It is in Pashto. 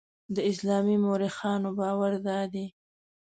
د اسلامي مورخانو باور دادی.